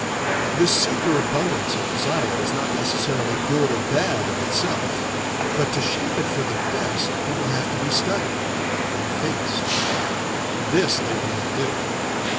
This super abundance of desire is not necessarily good or bad, of itself. But to shape it for the best it will have to be studied and faced. This they will not do.